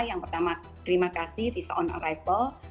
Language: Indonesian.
yang pertama terima kasih visa on arrival